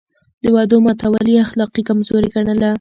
د وعدو ماتول يې اخلاقي کمزوري ګڼله.